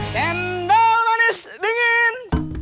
cendol manis dingin